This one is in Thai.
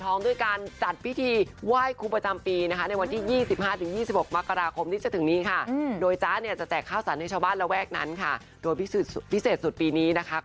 ท้องด้วยการจัดพิธีไหว้ครูประจำปี